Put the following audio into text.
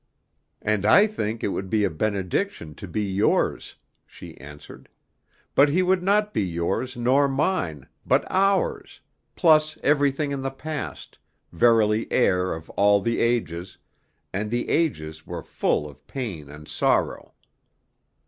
"And I think it would be a benediction to be yours," she answered; "but he would not be yours nor mine, but ours, plus everything in the past, verily heir of all the ages, and the ages were full of pain and sorrow.